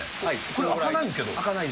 これ開かないんですけど。